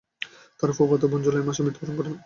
তার ফুফাতো বোন জুলাই মাসে মৃত্যুবরণ করে।